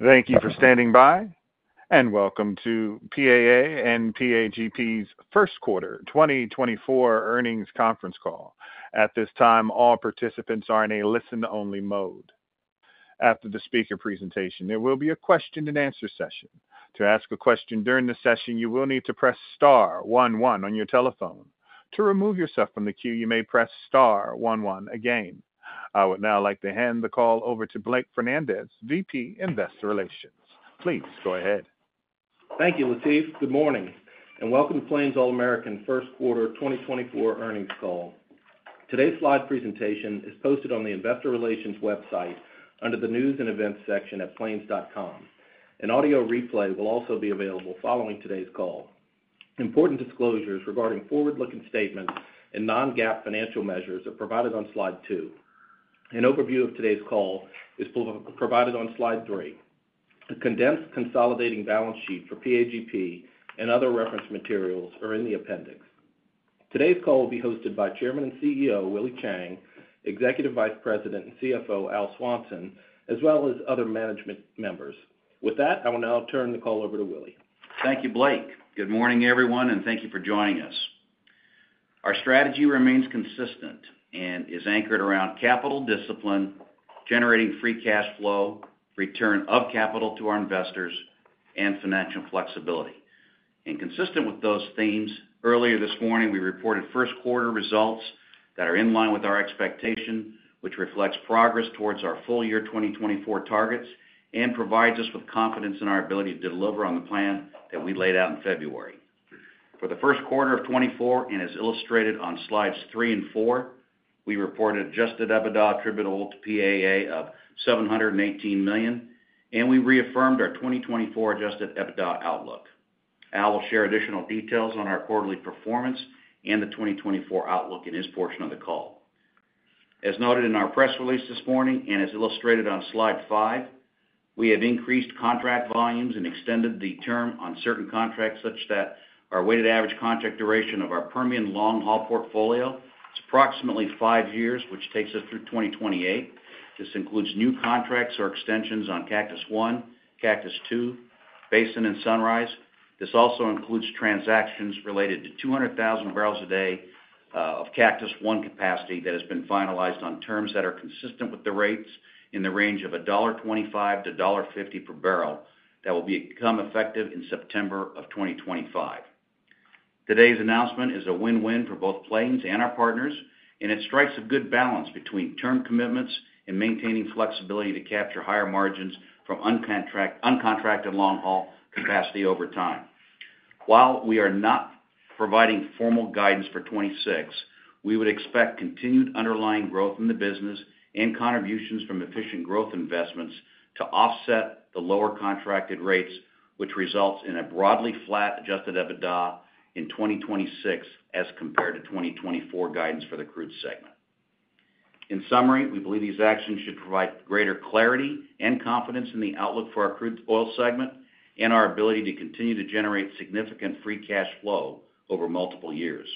Thank you for standing by, and welcome to PAA and PAGP's First Quarter 2024 Earnings Conference Call. At this time, all participants are in a listen-only mode. After the speaker presentation, there will be a question-and-answer session. To ask a question during the session, you will need to press star one one on your telephone. To remove yourself from the queue, you may press star one one again. I would now like to hand the call over to Blake Fernandez, VP, Investor Relations. Please go ahead. Thank you, Latif. Good morning, and welcome to Plains All American First Quarter 2024 Earnings Call. Today's slide presentation is posted on the investor relations website under the News and Events section at plains.com. An audio replay will also be available following today's call. Important disclosures regarding forward-looking statements and non-GAAP financial measures are provided on Slide two. An overview of today's call is provided on Slide three. A condensed consolidating balance sheet for PAGP and other reference materials are in the appendix. Today's call will be hosted by Chairman and CEO, Willie Chiang, Executive Vice President and CFO, Al Swanson, as well as other management members. With that, I will now turn the call over to Willie. Thank you, Blake. Good morning, everyone, and thank you for joining us. Our strategy remains consistent and is anchored around capital discipline, generating free cash flow, return of capital to our investors, and financial flexibility. And consistent with those themes, earlier this morning, we reported first quarter results that are in line with our expectation, which reflects progress towards our full-year 2024 targets and provides us with confidence in our ability to deliver on the plan that we laid out in February. For the first quarter of 2024, and as illustrated on Slides three and four, we reported Adjusted EBITDA attributable to PAA of $718 million, and we reaffirmed our 2024 Adjusted EBITDA outlook. Al will share additional details on our quarterly performance and the 2024 outlook in his portion of the call. As noted in our press release this morning, and as illustrated on Slide five, we have increased contract volumes and extended the term on certain contracts such that our weighted average contract duration of our Permian long-haul portfolio is approximately five years, which takes us through 2028. This includes new contracts or extensions on Cactus I, Cactus II, Basin, and Sunrise. This also includes transactions related to 200,000 barrels a day of Cactus I capacity that has been finalized on terms that are consistent with the rates in the range of $1.25-$1.50 per barrel. That will become effective in September of 2025. Today's announcement is a win-win for both Plains and our partners, and it strikes a good balance between term commitments and maintaining flexibility to capture higher margins from uncontracted long-haul capacity over time. While we are not providing formal guidance for 2026, we would expect continued underlying growth in the business and contributions from efficient growth investments to offset the lower contracted rates, which results in a broadly flat Adjusted EBITDA in 2026 as compared to 2024 guidance for the crude segment. In summary, we believe these actions should provide greater clarity and confidence in the outlook for our crude oil segment and our ability to continue to generate significant Free Cash Flow over multiple years.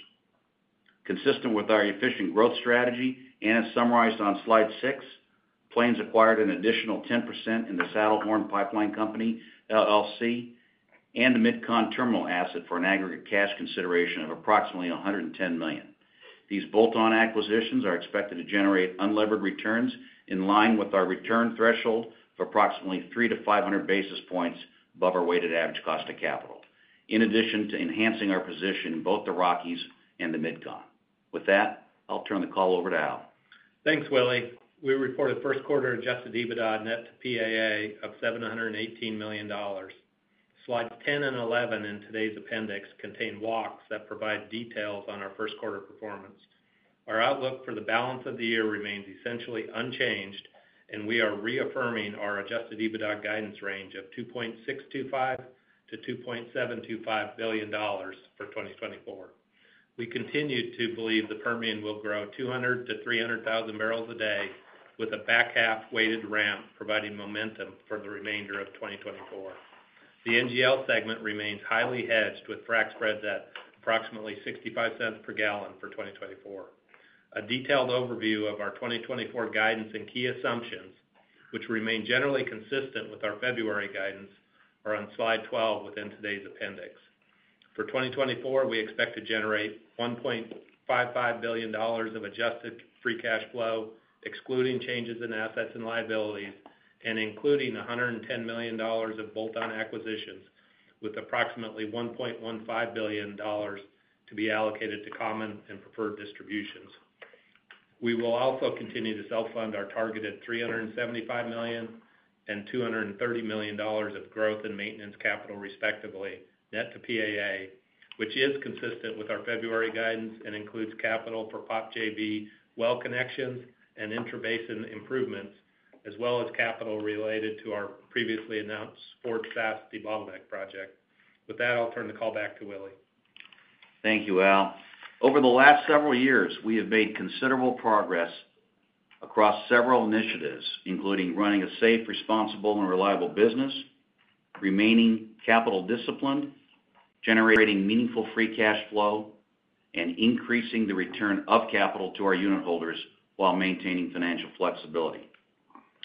Consistent with our efficient growth strategy and as summarized on Slide six, Plains acquired an additional 10% in the Saddlehorn Pipeline Company, LLC, and the Mid-Con Terminal asset for an aggregate cash consideration of approximately $110 million. These bolt-on acquisitions are expected to generate unlevered returns in line with our return threshold of approximately 300-500 basis points above our weighted average cost of capital, in addition to enhancing our position in both the Rockies and the Mid-Con. With that, I'll turn the call over to Al. Thanks, Willie. We reported first quarter adjusted EBITDA net to PAA of $718 million. Slides 10 and 11 in today's appendix contain walks that provide details on our first quarter performance. Our outlook for the balance of the year remains essentially unchanged, and we are reaffirming our adjusted EBITDA guidance range of $2.625 billion-$2.725 billion for 2024. We continue to believe the Permian will grow 200,000-300,000 barrels a day, with a back-half weighted ramp providing momentum for the remainder of 2024. The NGL segment remains highly hedged, with frac spreads at approximately $0.65 per gallon for 2024. A detailed overview of our 2024 guidance and key assumptions, which remain generally consistent with our February guidance, are on Slide 12 within today's appendix. For 2024, we expect to generate $1.55 billion of adjusted free cash flow, excluding changes in assets and liabilities, and including $110 million of bolt-on acquisitions, with approximately $1.15 billion to be allocated to common and preferred distributions. We will also continue to self-fund our targeted $375 million and $230 million of growth and maintenance capital, respectively, net to PAA, which is consistent with our February guidance and includes capital for POP JV well connections and intra-basin improvements, as well as capital related to our previously announced Fort Saskatchewan debottleneck project. With that, I'll turn the call back to Willie. Thank you, Al. Over the last several years, we have made considerable progress across several initiatives, including running a safe, responsible, and reliable business, remaining capital disciplined, generating meaningful free cash flow, and increasing the return of capital to our unitholders while maintaining financial flexibility.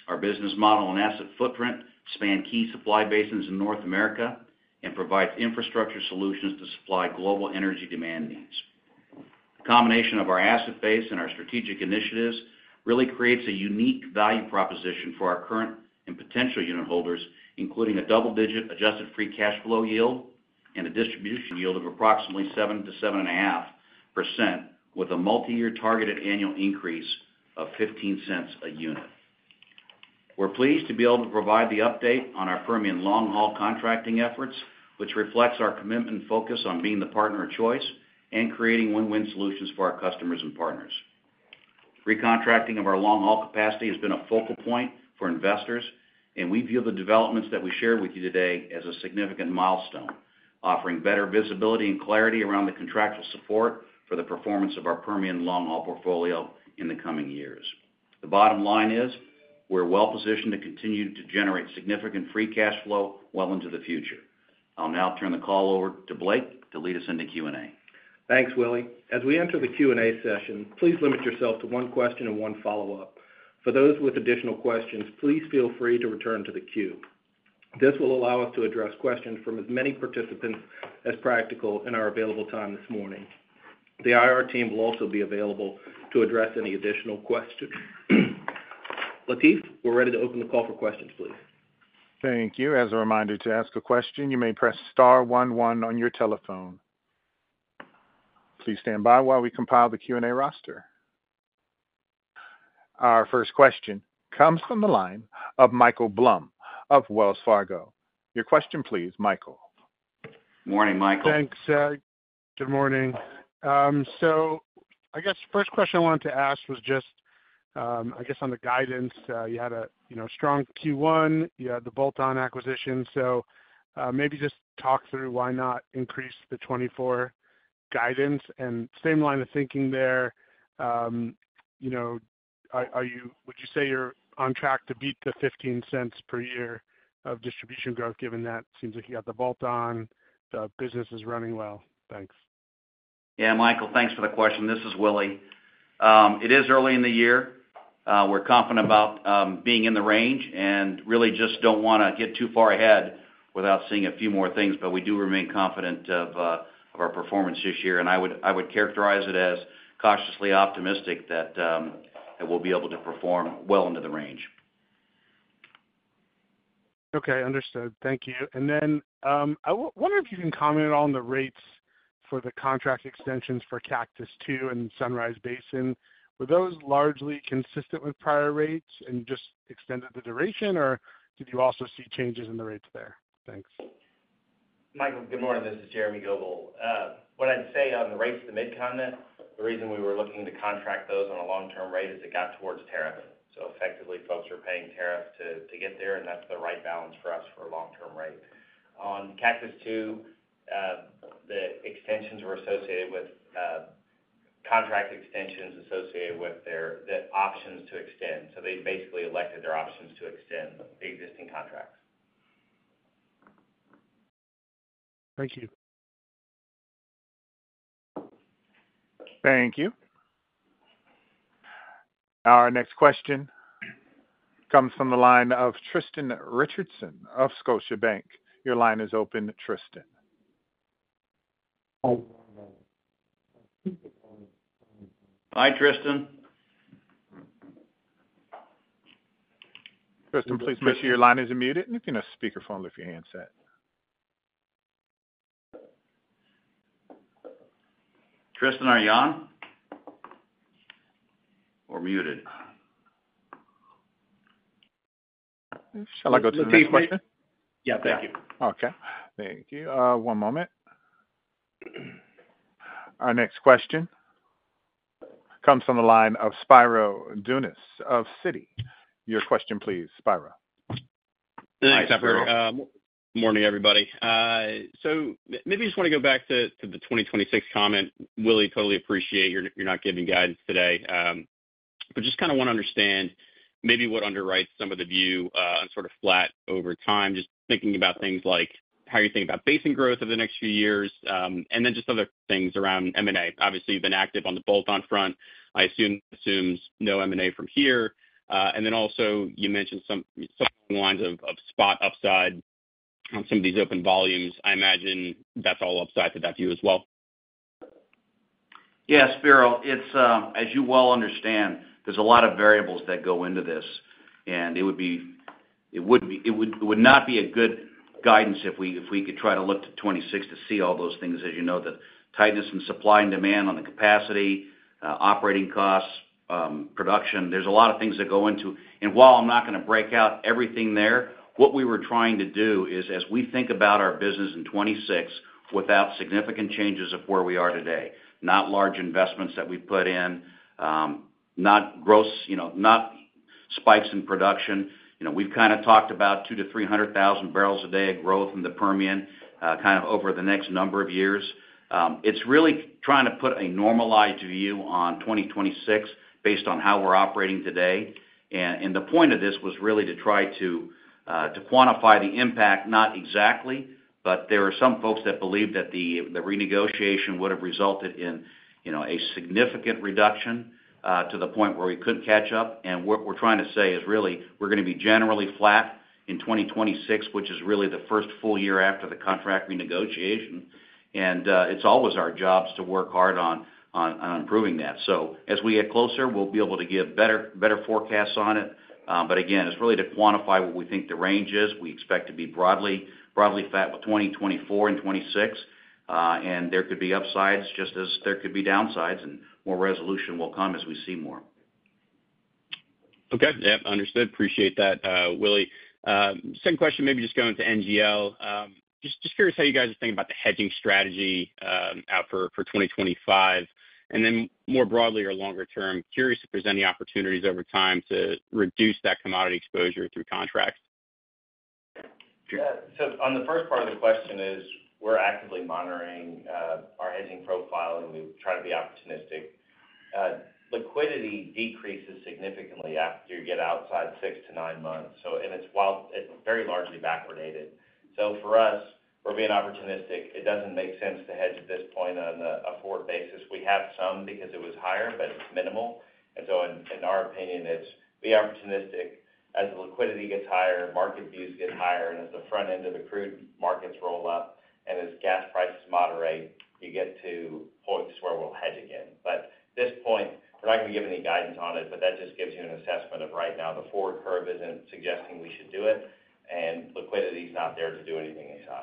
Our business model and asset footprint span key supply basins in North America and provides infrastructure solutions to supply global energy demand needs. The combination of our asset base and our strategic initiatives really creates a unique value proposition for our current and potential unitholders, including a double-digit adjusted free cash flow yield and a distribution yield of approximately 7%-7.5%, with a multiyear targeted annual increase of $0.15 a unit. We're pleased to be able to provide the update on our Permian long-haul contracting efforts, which reflects our commitment and focus on being the partner of choice and creating win-win solutions for our customers and partners. Recontracting of our long-haul capacity has been a focal point for investors, and we view the developments that we share with you today as a significant milestone, offering better visibility and clarity around the contractual support for the performance of our Permian long-haul portfolio in the coming years. The bottom line is, we're well positioned to continue to generate significant free cash flow well into the future. I'll now turn the call over to Blake to lead us into Q&A. Thanks, Willie. As we enter the Q&A session, please limit yourself to one question and one follow-up. For those with additional questions, please feel free to return to the queue. This will allow us to address questions from as many participants as practical in our available time this morning. The IR team will also be available to address any additional questions. Latif, we're ready to open the call for questions, please. Thank you. As a reminder, to ask a question, you may press star one, one on your telephone. Please stand by while we compile the Q&A roster. Our first question comes from the line of Michael Blum of Wells Fargo. Your question, please, Michael. Morning, Michael. Thanks, good morning. So I guess the first question I wanted to ask was just, I guess, on the guidance. You had a, you know, strong Q1, you had the bolt-on acquisition, so, maybe just talk through why not increase the 2024 guidance? And same line of thinking there, you know, are, are you-- would you say you're on track to beat the $0.15 per year of distribution growth, given that it seems like you got the bolt-on, the business is running well? Thanks. Yeah, Michael, thanks for the question. This is Willie. It is early in the year. We're confident about being in the range and really just don't wanna get too far ahead without seeing a few more things, but we do remain confident of our performance this year, and I would, I would characterize it as cautiously optimistic that we'll be able to perform well into the range. Okay, understood. Thank you. And then, I wonder if you can comment on the rates for the contract extensions for Cactus II and Sunrise Basin. Were those largely consistent with prior rates and just extended the duration, or did you also see changes in the rates there? Thanks. Michael, good morning. This is Jeremy Goebel. What I'd say on the rates to Mid-Continent, the reason we were looking to contract those on a long-term rate is it got towards tariff. So effectively, folks are paying tariff to, to get there, and that's the right balance for us for a long-term rate. On Cactus II, the extensions were associated with, contract extensions associated with their, the options to extend. So they basically elected their options to extend the existing contracts. Thank you. Thank you. Our next question comes from the line of Tristan Richardson of Scotiabank. Your line is open, Tristan. Hi, Tristan. Tristan, please make sure your line is unmuted, and you can speakerphone if your handset. Tristan, are you on or muted? Shall I go to the next question? Yeah, thank you. Okay. Thank you. One moment. Our next question comes from the line of Spiro Dounis of Citi. Your question, please, Spiro. Thanks, Spiro. Morning, everybody. So maybe just want to go back to the 2026 comment. Willie, totally appreciate you're not giving guidance today. But just kind of want to understand maybe what underwrites some of the view on sort of flat over time. Just thinking about things like how you think about basin growth over the next few years, and then just other things around M&A. Obviously, you've been active on the bolt-on front. I assume assumes no M&A from here. And then also, you mentioned some lines of spot upside on some of these open volumes. I imagine that's all upside to that view as well. Yeah, Spiro, it's, as you well understand, there's a lot of variables that go into this, and it would not be a good guidance if we could try to look to 2026 to see all those things. As you know, the tightness in supply and demand on the capacity, operating costs, production, there's a lot of things that go into. And while I'm not gonna break out everything there, what we were trying to do is, as we think about our business in 2026, without significant changes of where we are today, not large investments that we put in, not gross, you know, spikes in production. You know, we've kind of talked about 200,000-300,000 barrels a day of growth in the Permian, kind of over the next number of years. It's really trying to put a normalized view on 2026 based on how we're operating today. And the point of this was really to try to quantify the impact, not exactly, but there are some folks that believe that the renegotiation would have resulted in, you know, a significant reduction, to the point where we couldn't catch up. And what we're trying to say is really, we're going to be generally flat in 2026, which is really the first full year after the contract renegotiation. And it's always our jobs to work hard on improving that. So as we get closer, we'll be able to give better, better forecasts on it. But again, it's really to quantify what we think the range is. We expect to be broadly, broadly flat with 2024 and 2026, and there could be upsides just as there could be downsides, and more resolution will come as we see more. Okay. Yep, understood. Appreciate that, Willie. Second question, maybe just going to NGL. Just curious how you guys are thinking about the hedging strategy out for 2025, and then more broadly or longer term, curious if there's any opportunities over time to reduce that commodity exposure through contracts? Yeah. So on the first part of the question is, we're actively monitoring our hedging profile, and we try to be opportunistic. Liquidity decreases significantly after you get outside six-nine months. So it's very largely backwardated. So for us, we're being opportunistic. It doesn't make sense to hedge at this point on a forward basis. We have some because it was higher, but it's minimal. And so in our opinion, it's be opportunistic. As the liquidity gets higher, market views get higher, and as the front end of the crude markets roll up, and as gas prices moderate, you get to points where we'll hedge again. But at this point, we're not going to give any guidance on it, but that just gives you an assessment of right now. The forward curve isn't suggesting we should do it, and liquidity is not there to do anything anyhow.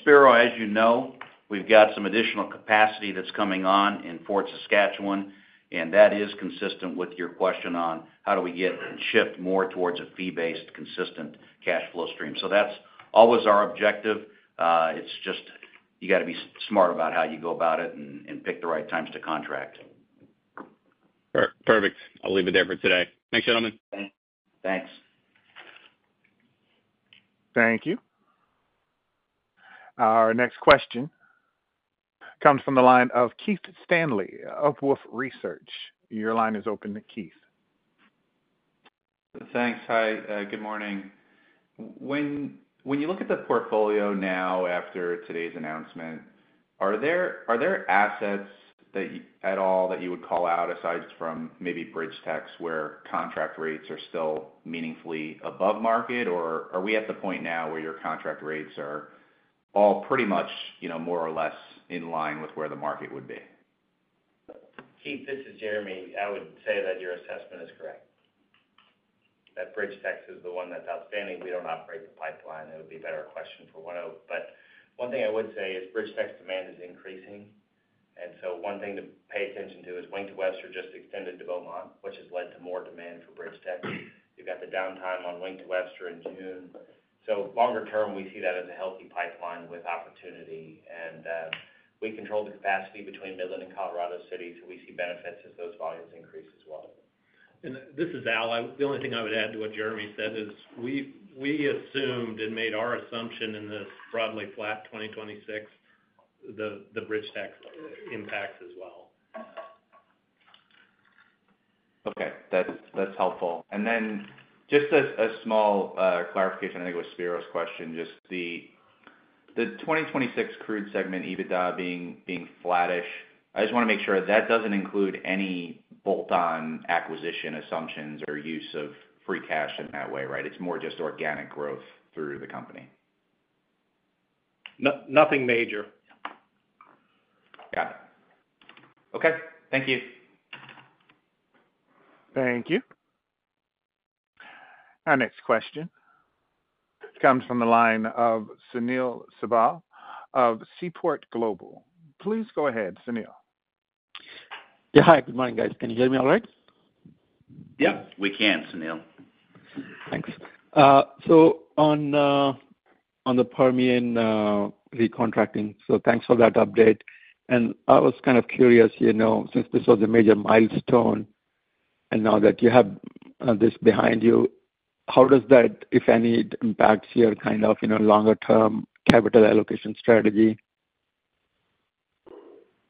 Spiro, as you know, we've got some additional capacity that's coming on in Fort Saskatchewan, and that is consistent with your question on how do we get and shift more towards a fee-based, consistent cash flow stream. So that's always our objective. It's just, you got to be smart about how you go about it and pick the right times to contract. Perfect. I'll leave it there for today. Thanks, gentlemen. Thanks. Thank you. Our next question comes from the line of Keith Stanley of Wolfe Research. Your line is open, Keith. Thanks. Hi, good morning. When you look at the portfolio now after today's announcement, are there assets that at all you would call out, aside from maybe BridgeTex, where contract rates are still meaningfully above market? Or are we at the point now where your contract rates are all pretty much, you know, more or less in line with where the market would be? Keith, this is Jeremy. I would say that your assessment is correct, that BridgeTex is the one that's outstanding. We don't operate the pipeline. It would be a better question for ONEOK. But one thing I would say is BridgeTex's demand is increasing, and so one thing to pay attention to is Wink to Webster just extended to Beaumont, which has led to more demand for BridgeTex. You've got the downtime on Wink to Webster in June. So longer term, we see that as a healthy pipeline with opportunity, and, we control the capacity between Midland and Colorado City, so we see benefits as those volumes increase as well. This is Al. The only thing I would add to what Jeremy said is, we assumed and made our assumption in this broadly flat 2026, the BridgeTex impact as well. Okay, that's, that's helpful. And then just as a small clarification, I think it was Spiro's question, just the 2026 crude segment EBITDA being, being flattish. I just want to make sure that doesn't include any bolt-on acquisition assumptions or use of free cash in that way, right? It's more just organic growth through the company. No, nothing major. Got it. Okay. Thank you. Thank you. Our next question comes from the line of Sunil Sibal of Seaport Global. Please go ahead, Sunil. Yeah. Hi, good morning, guys. Can you hear me all right? Yep, we can, Sunil. Thanks. So on the Permian recontracting, so thanks for that update. And I was kind of curious, you know, since this was a major milestone, and now that you have this behind you, how does that, if any, impacts your kind of, you know, longer-term capital allocation strategy?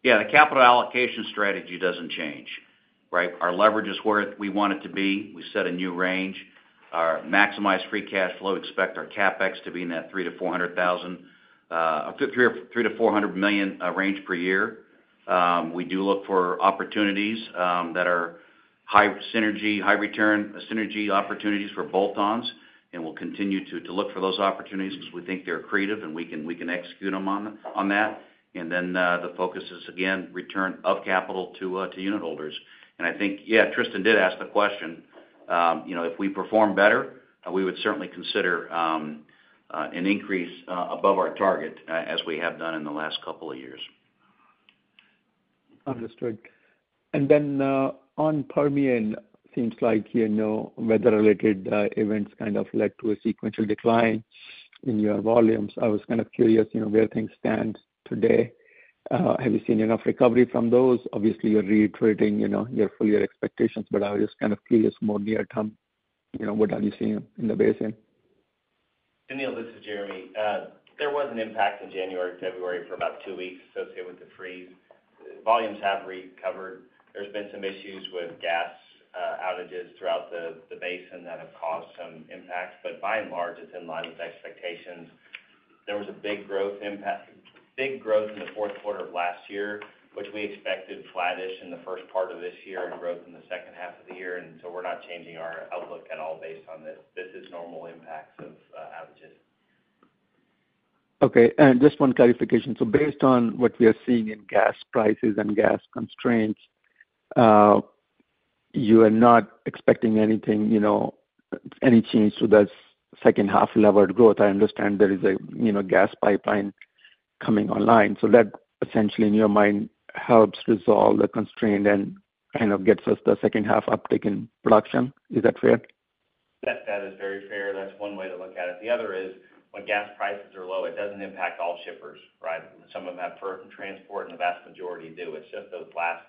Yeah, the capital allocation strategy doesn't change, right? Our leverage is where we want it to be. We set a new range. Our maximized free cash flow, expect our CapEx to be in that $300 million-$400 million range per year. We do look for opportunities that are high synergy, high return synergy opportunities for bolt-ons, and we'll continue to look for those opportunities because we think they're creative, and we can execute them on that. And then, the focus is, again, return of capital to unitholders. And I think, yeah, Tristan did ask the question, you know, if we perform better, we would certainly consider an increase above our target as we have done in the last couple of years. Understood. And then, on Permian, seems like, you know, weather-related events kind of led to a sequential decline... in your volumes. I was kind of curious, you know, where things stand today. Have you seen enough recovery from those? Obviously, you're reiterating, you know, your full year expectations, but I was just kind of curious, more near term, you know, what are you seeing in the basin? Sunil, this is Jeremy. There was an impact in January, February for about two weeks associated with the freeze. Volumes have recovered. There's been some issues with gas outages throughout the basin that have caused some impacts, but by and large, it's in line with expectations. There was a big growth impact—big growth in the fourth quarter of last year, which we expected flattish in the first part of this year and growth in the second half of the year, and so we're not changing our outlook at all based on this. This is normal impacts of outages. Okay, just one clarification. Based on what we are seeing in gas prices and gas constraints, you are not expecting anything, you know, any change to this second half levered growth? I understand there is a, you know, gas pipeline coming online. So that essentially, in your mind, helps resolve the constraint and kind of gets us the second half uptick in production. Is that fair? Yes, that is very fair. That's one way to look at it. The other is, when gas prices are low, it doesn't impact all shippers, right? Some of them have firm transport, and the vast majority do. It's just those last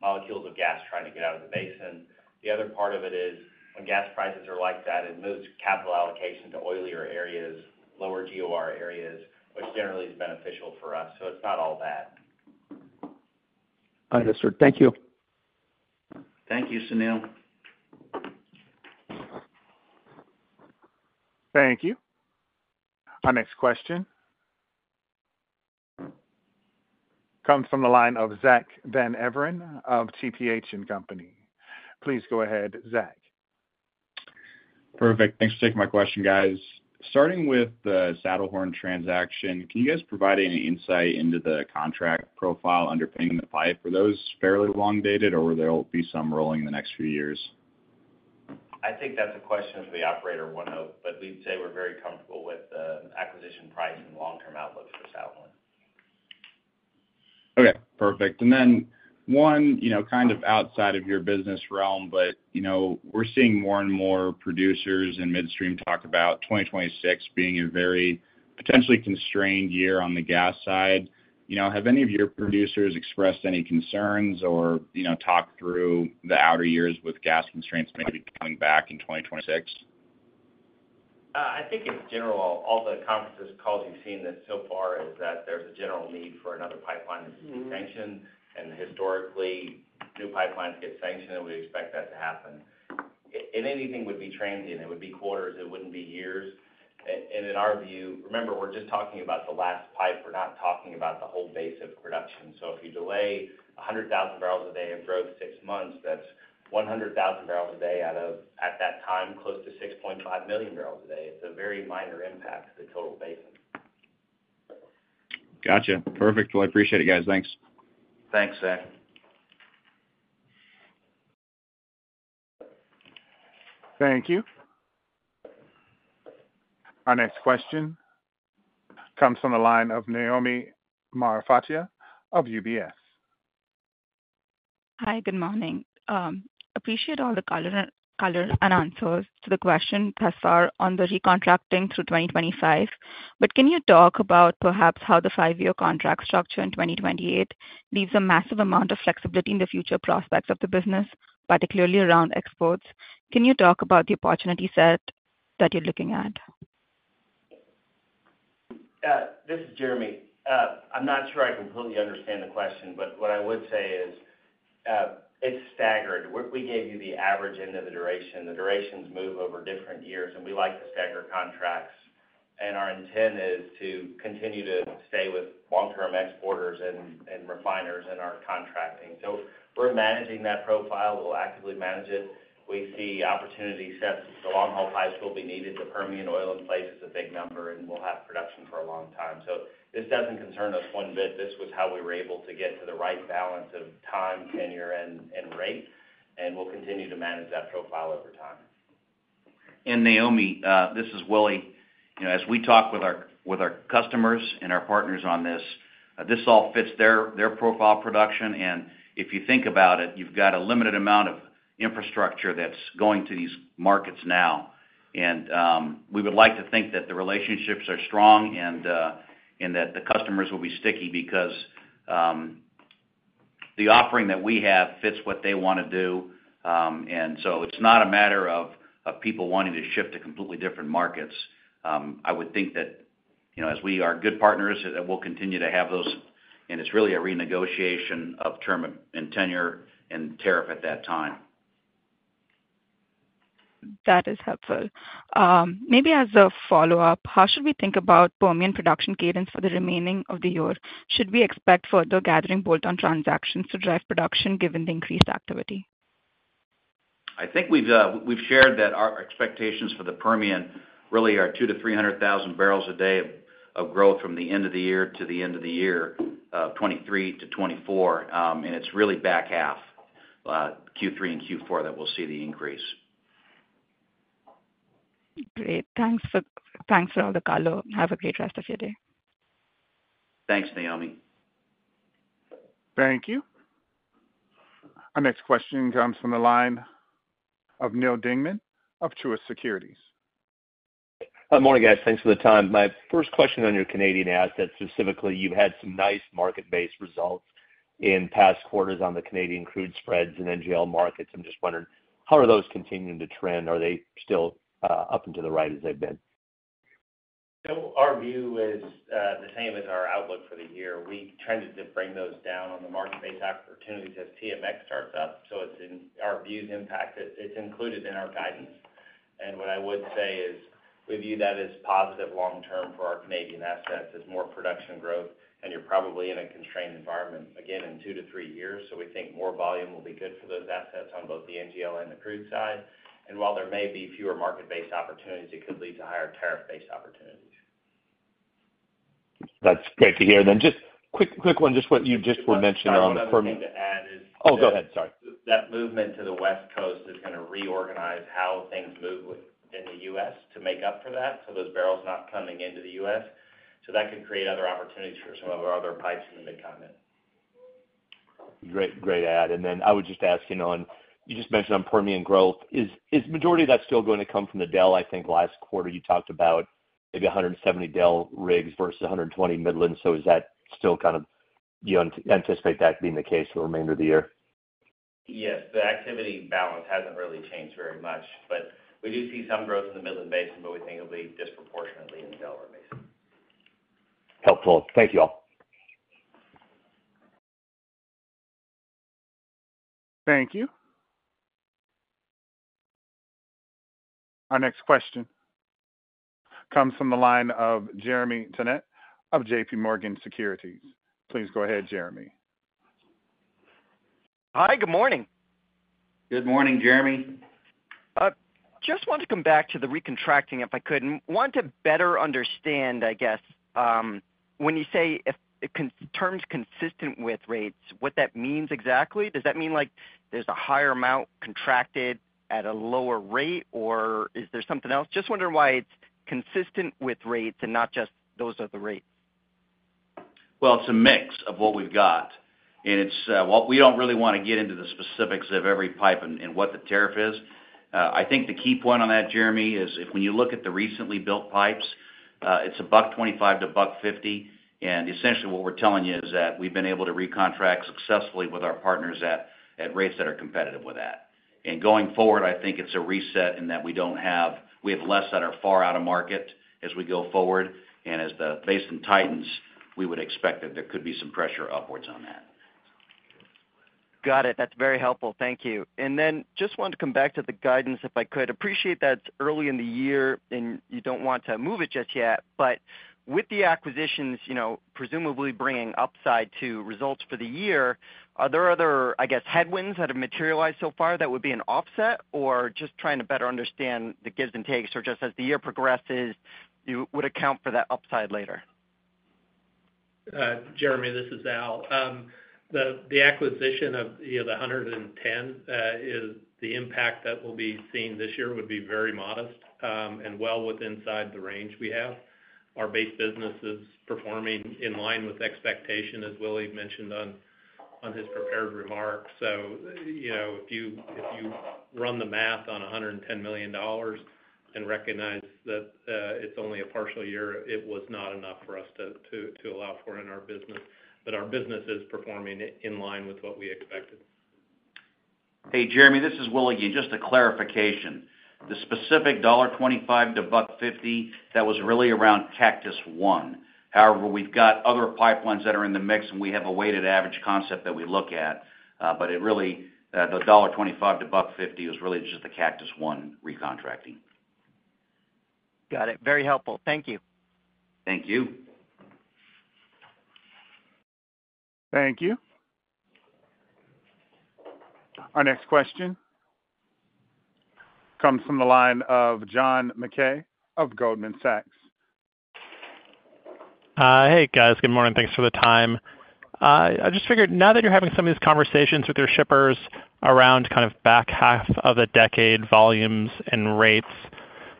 molecules of gas trying to get out of the basin. The other part of it is, when gas prices are like that, it moves capital allocation to oilier areas, lower GOR areas, which generally is beneficial for us. So it's not all bad. Understood. Thank you. Thank you, Sunil. Thank you. Our next question comes from the line of Zack Van Everen of TPH & Co. Please go ahead, Zack. Perfect. Thanks for taking my question, guys. Starting with the Saddlehorn transaction, can you guys provide any insight into the contract profile underpinning the pipe? Are those fairly long-dated, or will there be some rolling in the next few years? I think that's a question for the operator, ONEOK, but we'd say we're very comfortable with the acquisition price and long-term outlook for Saddlehorn. Okay, perfect. And then one, you know, kind of outside of your business realm, but, you know, we're seeing more and more producers and midstream talk about 2026 being a very potentially constrained year on the gas side. You know, have any of your producers expressed any concerns or, you know, talked through the outer years with gas constraints maybe coming back in 2026? I think in general, all the conference calls you've seen so far, is that there's a general need for another pipeline to be sanctioned. Historically, new pipelines get sanctioned, and we expect that to happen. If anything, it would be transient. It would be quarters, it wouldn't be years. In our view, remember, we're just talking about the last pipe. We're not talking about the whole base of production. So if you delay 100,000 barrels a day of growth six months, that's 100,000 barrels a day out of, at that time, close to 6.5 million barrels a day. It's a very minor impact to the total basin. Gotcha. Perfect. Well, I appreciate it, guys. Thanks. Thanks, Zach. Thank you. Our next question comes from the line of Naomi Marfatia of UBS. Hi, good morning. Appreciate all the color and answers to the question thus far on the recontracting through 2025. But can you talk about perhaps how the five-year contract structure in 2028 leaves a massive amount of flexibility in the future prospects of the business, particularly around exports? Can you talk about the opportunity set that you're looking at? This is Jeremy. I'm not sure I completely understand the question, but what I would say is, it's staggered. We gave you the average end of the duration. The durations move over different years, and we like to stagger contracts, and our intent is to continue to stay with long-term exporters and refiners in our contracting. So we're managing that profile. We'll actively manage it. We see opportunity sets. The long-haul pipes will be needed. The Permian oil in place is a big number, and we'll have production for a long time. So this doesn't concern us one bit. This was how we were able to get to the right balance of time, tenure, and rate, and we'll continue to manage that profile over time. Naomi, this is Willie. You know, as we talk with our, with our customers and our partners on this, this all fits their, their profile production. And if you think about it, you've got a limited amount of infrastructure that's going to these markets now. And, we would like to think that the relationships are strong and, and that the customers will be sticky because, the offering that we have fits what they want to do. And so it's not a matter of, of people wanting to ship to completely different markets. I would think that, you know, as we are good partners, that we'll continue to have those, and it's really a renegotiation of term and tenure and tariff at that time. That is helpful. Maybe as a follow-up, how should we think about Permian production cadence for the remaining of the year? Should we expect further gathering bolt-on transactions to drive production given the increased activity? I think we've shared that our expectations for the Permian really are 200,000-300,000 barrels a day of growth from the end of the year to the end of the year, 2023 to 2024. And it's really back half, Q3 and Q4, that we'll see the increase. Great. Thanks for, thanks for all the color. Have a great rest of your day. Thanks, Naomi. Thank you. Our next question comes from the line of Neal Dingmann of Truist Securities. Good morning, guys. Thanks for the time. My first question on your Canadian assets, specifically, you've had some nice market-based results in past quarters on the Canadian crude spreads and NGL markets. I'm just wondering, how are those continuing to trend? Are they still up into the right as they've been? So our view is, the same as our outlook for the year. We tended to bring those down on the market-based opportunities as TMX starts up, so it's in our views impact it. It's included in our guidance. And what I would say is we view that as positive long term for our Canadian assets, as more production growth, and you're probably in a constrained environment again in two-three years. So we think more volume will be good for those assets on both the NGL and the crude side. And while there may be fewer market-based opportunities, it could lead to higher tariff-based opportunities. That's great to hear. Then just quick, quick one, just what you just were mentioning on- One other thing to add is- Oh, go ahead, sorry. That movement to the West Coast is going to reorganize how things move within the U.S. to make up for that, so those barrels not coming into the U.S. So that could create other opportunities for some of our other pipes in the Mid-Continent. Great, great add. And then I would just ask, you know, on—you just mentioned on Permian growth, is, is majority of that still going to come from the Delaware? I think last quarter, you talked about maybe 170 Delaware rigs versus 120 Midland. So is that still kind of... Do you anticipate that being the case for the remainder of the year? Yes, the activity balance hasn't really changed very much, but we do see some growth in the Midland Basin, but we think it'll be disproportionately in the Delaware Basin. Helpful. Thank you all. Thank you. Our next question comes from the line of Jeremy Tonet of JPMorgan Securities. Please go ahead, Jeremy. Hi, good morning. Good morning, Jeremy. Just want to come back to the recontracting, if I could. Want to better understand, I guess, when you say if contract terms consistent with rates, what that means exactly. Does that mean, like, there's a higher amount contracted at a lower rate, or is there something else? Just wondering why it's consistent with rates and not just those are the rates. Well, it's a mix of what we've got, and it's, well, we don't really want to get into the specifics of every pipe and what the tariff is. I think the key point on that, Jeremy, is when you look at the recently built pipes, it's $1.25-$1.50. And essentially, what we're telling you is that we've been able to recontract successfully with our partners at rates that are competitive with that. And going forward, I think it's a reset in that we don't have - we have less that are far out of market as we go forward, and as the basin tightens, we would expect that there could be some pressure upwards on that. Got it. That's very helpful. Thank you. Then just wanted to come back to the guidance, if I could. Appreciate that it's early in the year, and you don't want to move it just yet. But with the acquisitions, you know, presumably bringing upside to results for the year, are there other, I guess, headwinds that have materialized so far that would be an offset? Or just trying to better understand the gives and takes, or just as the year progresses, you would account for that upside later. Jeremy, this is Al. The acquisition of, you know, the 110 is the impact that will be seen this year would be very modest, and well within inside the range we have. Our base business is performing in line with expectation, as Willie mentioned on his prepared remarks. So, you know, if you run the math on $110 million and recognize that it's only a partial year, it was not enough for us to allow for in our business. But our business is performing in line with what we expected. Hey, Jeremy, this is Willie. Just a clarification. The specific $1.25-$1.50, that was really around Cactus I. However, we've got other pipelines that are in the mix, and we have a weighted average concept that we look at. But it really, the $1.25-$1.50 is really just the Cactus I recontracting. Got it. Very helpful. Thank you. Thank you. Thank you. Our next question comes from the line of John Mackay of Goldman Sachs. Hey, guys. Good morning. Thanks for the time. I just figured now that you're having some of these conversations with your shippers around kind of back half of the decade, volumes and rates,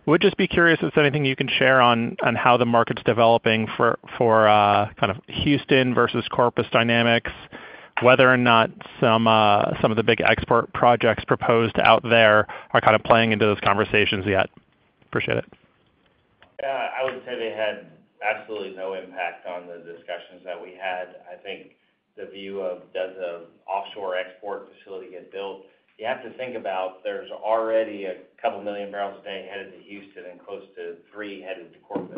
would just be curious if there's anything you can share on, on how the market's developing for, for kind of Houston versus Corpus dynamics, whether or not some, some of the big export projects proposed out there are kind of playing into those conversations yet? Appreciate it. Yeah, I would say they had absolutely no impact on the discussions that we had. I think the view of does an offshore export facility get built, you have to think about there's already two million barrels a day headed to Houston and close to three headed to Corpus,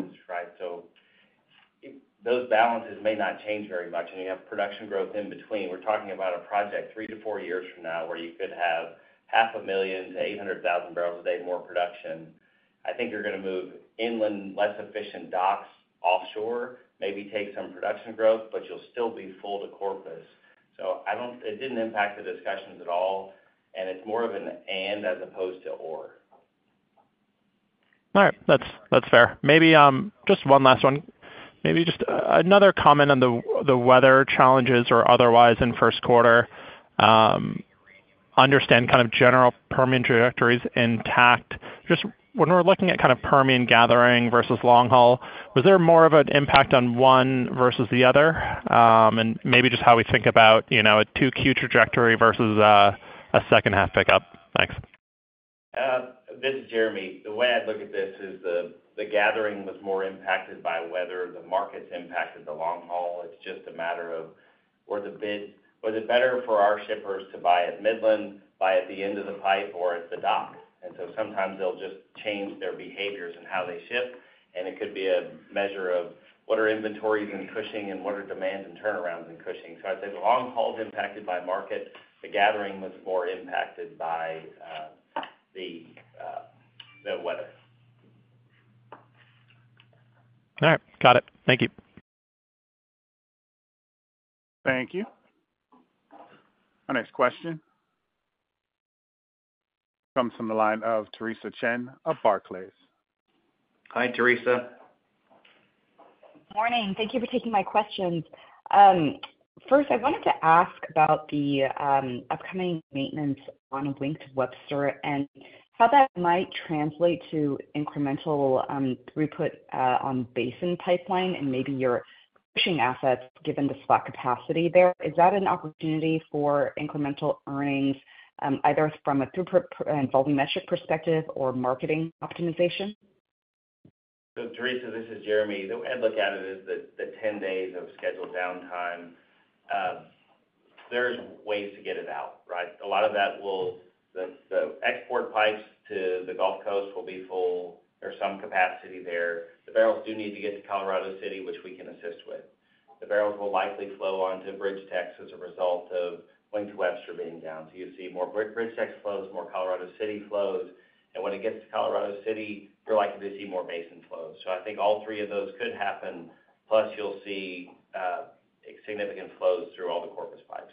right? So those balances may not change very much, and you have production growth in between. We're talking about a project three-four years from now, where you could have 500,000-800,000 barrels a day more production. I think you're going to move inland, less efficient docks offshore, maybe take some production growth, but you'll still be full to Corpus. So it didn't impact the discussions at all, and it's more of an and as opposed to or. All right. That's, that's fair. Maybe just one last one. Maybe just another comment on the weather challenges or otherwise in first quarter understand kind of general Permian trajectories intact. Just when we're looking at kind of Permian gathering versus long haul, was there more of an impact on one versus the other? And maybe just how we think about, you know, a 2Q trajectory versus a second half pickup. Thanks. This is Jeremy. The way I'd look at this is the gathering was more impacted by weather. The markets impacted the long haul. It's just a matter of where the bid—was it better for our shippers to buy at Midland, buy at the end of the pipe, or at the dock? And so sometimes they'll just change their behaviors and how they ship, and it could be a measure of what are inventories in Cushing, and what are demands and turnarounds in Cushing. So I'd say the long haul is impacted by market. The gathering was more impacted by the weather. All right, got it. Thank you. Thank you. Our next question comes from the line of Theresa Chen of Barclays. Hi, Theresa. Morning. Thank you for taking my questions. First, I wanted to ask about the upcoming maintenance on Wink to Webster, and how that might translate to incremental throughput on Basin Pipeline and maybe your Cushing assets, given the slack capacity there. Is that an opportunity for incremental earnings, either from a throughput and volume metric perspective or marketing optimization? So, Theresa, this is Jeremy. The way I'd look at it is the 10 days of scheduled downtime, there's ways to get it out, right? A lot of that will—the export pipes to the Gulf Coast will be full. There's some capacity there. The barrels do need to get to Colorado City, which we can assist with. The barrels will likely flow on to BridgeTex as a result of Wink to Webster being down. So you'd see more BridgeTex flows, more Colorado City flows, and when it gets to Colorado City, you're likely to see more basin flows. So I think all three of those could happen, plus you'll see significant flows through all the Corpus pipes.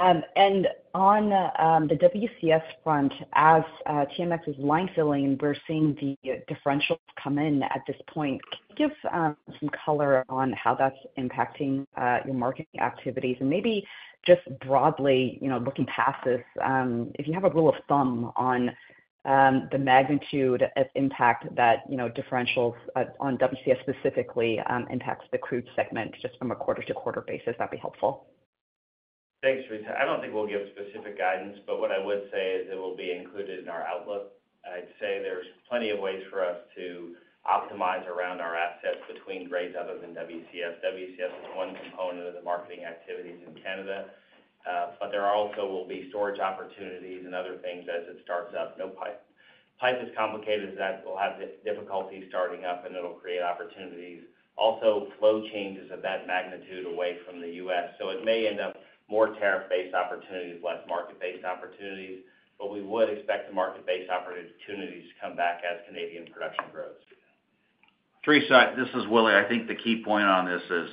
Understood. On the WCS front, as TMX is line filling, we're seeing the differentials come in at this point. Can you give some color on how that's impacting your marketing activities? Maybe just broadly, you know, looking past this, if you have a rule of thumb on the magnitude of impact that, you know, differentials on WCS specifically impacts the crude segment, just from a quarter to quarter basis, that'd be helpful. Thanks, Theresa. I don't think we'll give specific guidance, but what I would say is it will be included in our outlook. I'd say there's plenty of ways for us to optimize around our assets between grades other than WCS. WCS is one component of the marketing activities in Canada, but there also will be storage opportunities and other things as it starts up. New pipe. Pipe is complicated as that will have difficulty starting up, and it'll create opportunities. Also, flow changes of that magnitude away from the US, so it may end up more tariff-based opportunities, less market-based opportunities, but we would expect the market-based opportunities to come back as Canadian production grows. Theresa, this is Willie. I think the key point on this is,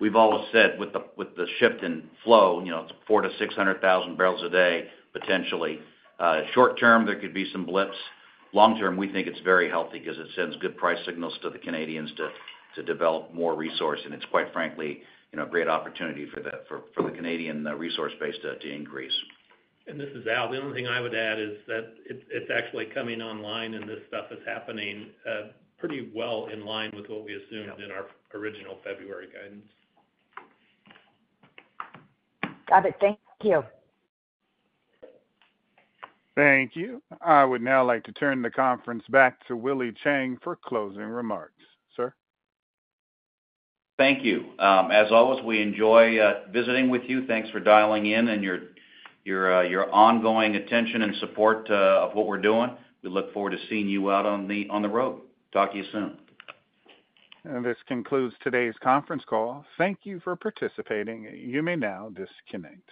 we've always said with the shift in flow, you know, it's 400,000-600,000 barrels a day, potentially. Short term, there could be some blips. Long term, we think it's very healthy because it sends good price signals to the Canadians to develop more resource, and it's quite frankly, you know, a great opportunity for the Canadian resource base to increase. This is Al. The only thing I would add is that it's actually coming online, and this stuff is happening pretty well in line with what we assumed- Yeah. -in our original February guidance. Got it. Thank you. Thank you. I would now like to turn the conference back to Willie Chiang for closing remarks. Sir? Thank you. As always, we enjoy visiting with you. Thanks for dialing in and your ongoing attention and support of what we're doing. We look forward to seeing you out on the road. Talk to you soon. This concludes today's conference call. Thank you for participating. You may now disconnect.